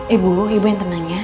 ibu ibu yang ternangnya